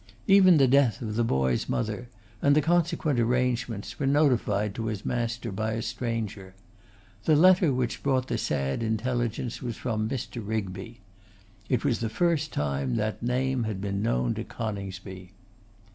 Even the death of the boy's mother, and the consequent arrangements, were notified to his master by a stranger. The letter which brought the sad intelligence was from Mr. Rigby. It was the first time that name had been known to Coningsby.